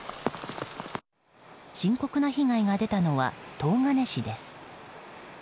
深刻な被害が出たのは東金市です。